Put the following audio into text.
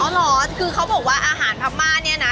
เหรอคือเขาบอกว่าอาหารพม่าเนี่ยนะ